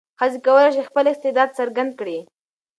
ښځې کولای شي خپل استعداد څرګند کړي.